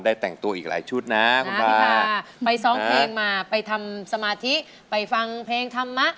แต่งตัวอีกหลายชุดนะคุณพ่อพิทาไปร้องเพลงมาไปทำสมาธิไปฟังเพลงธรรมะ